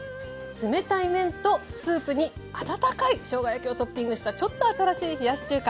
冷たい麺とスープに温かいしょうが焼きをトッピングしたちょっと新しい冷やし中華。